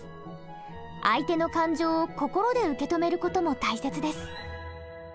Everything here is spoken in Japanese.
相手の感情を心で受け止める事も大切です。